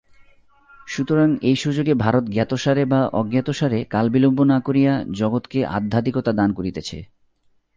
সুতরাং এই সুযোগে ভারত জ্ঞাতসারে বা অজ্ঞাতসারে কালবিলম্ব না করিয়া জগৎকে আধ্যাত্মিকতা দান করিতেছে।